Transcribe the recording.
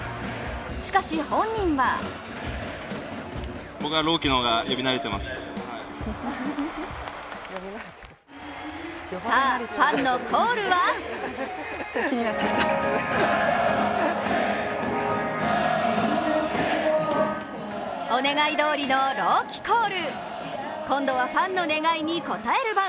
しかし、本人はさあ、ファンのコールはお願いどおりの朗希コール。今度はファンの願いに応える番。